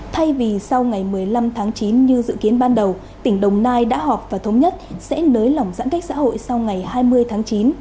thay vì sau ngày một mươi năm tháng chín như dự kiến ban đầu tỉnh đồng nai đã họp và thống nhất sẽ nới lỏng giãn cách xã hội sau ngày hai mươi tháng chín